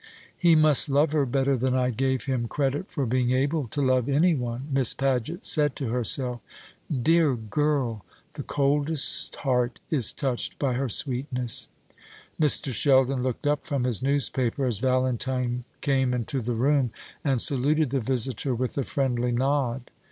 "He must love her better than I gave him credit for being able to love any one," Miss Paget said to herself. "Dear girl! The coldest heart is touched by her sweetness." Mr. Sheldon looked up from his newspaper as Valentine came into the room, and saluted the visitor with a friendly nod.